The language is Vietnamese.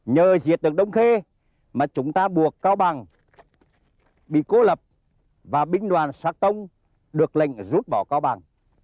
nhờ diệt được đông khê mà chúng ta buộc cao bằng bị cô lập và binh đoàn xác tông được lệnh rút bỏ cao bằng